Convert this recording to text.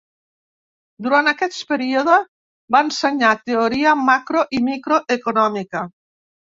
Durant aquest període, va ensenyar teoria macro i microeconòmica.